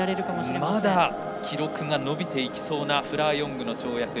まだ記録が伸びそうなフラー・ヨングの跳躍。